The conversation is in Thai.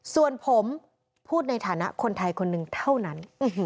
ส่วนผมพูดในฐานะคนไทยคนหนึ่งเท่านั้น